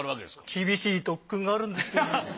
厳しい特訓があるんですよ。